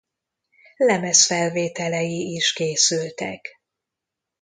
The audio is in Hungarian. Lemezfelvételei is készültek.